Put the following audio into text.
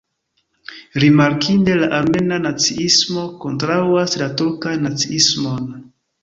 Rimarkinde, la armena naciismo kontraŭas la turkan naciismon.